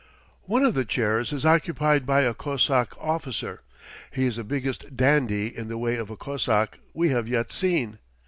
One of the chairs is occupied by a Cossack officer. He is the biggest dandy in the way of a Cossack we have yet seen.